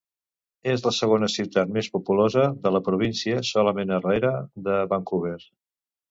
És la segona ciutat més populosa de la província, solament arrere de Vancouver.